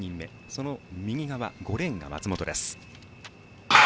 その右側５レーンが松本です。